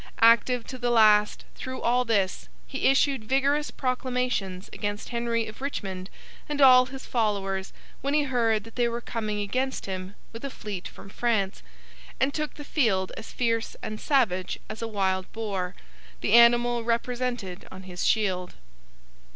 Active to the last, through all this, he issued vigorous proclamations against Henry of Richmond and all his followers, when he heard that they were coming against him with a Fleet from France; and took the field as fierce and savage as a wild boar—the animal represented on his shield.